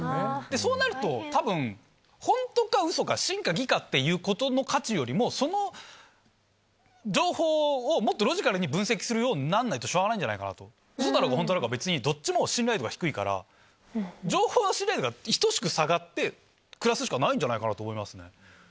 そうなると、たぶん、本当かうそか、真か偽かっていうことの価値よりも、その情報をもっとロジカルに分析するようになんないと、しょうがないんじゃないかなと。うそだろうが、本当だろうが、別にどっちも信頼度が低いから、情報は信頼度が等しく下がって、暮らすしかないんじゃないかなと思います。